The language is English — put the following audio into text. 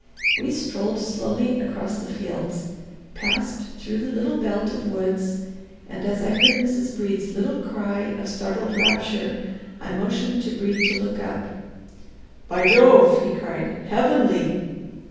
We strolled slowly across the fields, passed through the little belt of woods and, as I heard Mrs. Brede's little cry of startled rapture, I motioned to Brede to look up. "By Jove!" he cried, "heavenly!"